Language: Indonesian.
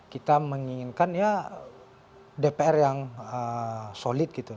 kita menginginkan ya dpr yang solid gitu